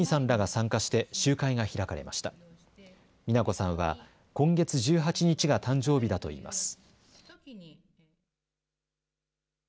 三奈子さんは今月１８日が誕生日だといいます。